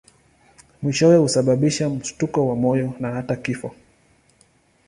Mwishowe husababisha mshtuko wa moyo na hata kifo.